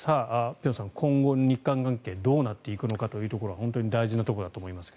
辺さん、今後の日韓関係どうなっていくのかというところは本当に大事なところだと思います。